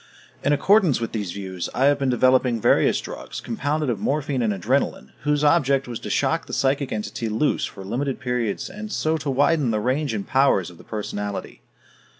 In accordance with these views, I had been developing various drugs, compounded of morphine and adrenalin, whose object was to shock the psychic entity loose for limited periods and so to widen the range and powers of the personality.